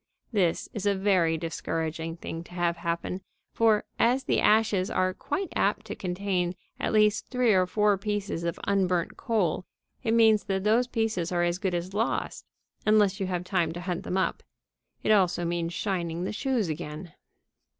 This is a very discouraging thing to have happen, for, as the ashes are quite apt to contain at least three or four pieces of unburnt coal, it means that those pieces are as good as lost unless you have time to hunt them up. It also means shining the shoes again.